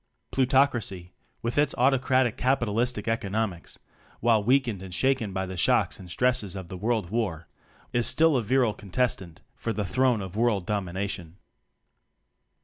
Plutocracy, with its autocratic capi talistic economics (while weakened and shaken by the shocks and stresses of the World War) is still a virile contestant for the throne of World Dominion.